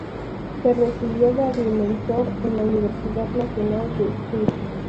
Se recibió de agrimensor en la Universidad Nacional del Sur.